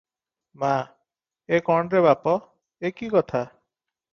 ମା - ଏ କଣ ରେ ବାପ! ଏ କି କଥା?